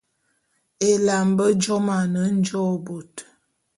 Ela a mbe jôm ane njôô bôt.